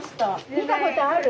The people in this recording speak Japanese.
見たことある？